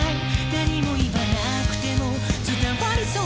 「何も言わなくても伝わりそうだから」